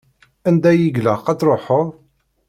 Anda i ilaq ad truḥeḍ?